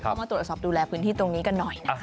เพราะว่าตรวจสอบดูแลพื้นที่ตรงนี้กันหน่อยนะครับ